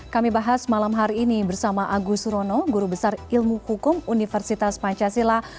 kami bahas malam hari ini bersama agus surono guru besar ilmu hukum universitas pancasila